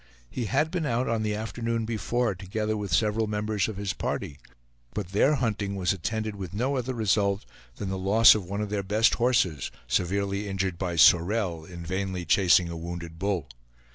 He had been out on the afternoon before, together with several members of his party; but their hunting was attended with no other result than the loss of one of their best horses, severely injured by Sorel, in vainly chasing a wounded bull.